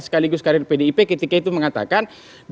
sekaligus karir pdip ketika itu mengatakan